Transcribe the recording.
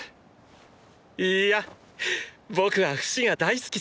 いいや僕はフシが大好きさ。